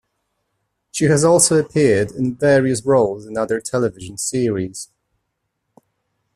She has also appeared in various roles in other television series.